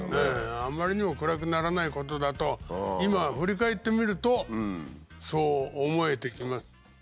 あんまりにも暗くならないことだと今振り返ってみるとそう思えてきます。